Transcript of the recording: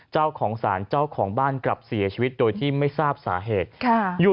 เจ้าของสารเจ้าของบ้านกลับเสียชีวิตโดยที่ไม่ทราบสาเหตุ